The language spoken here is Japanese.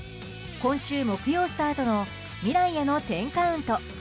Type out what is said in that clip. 今週木曜スタートの「未来への１０カウント」。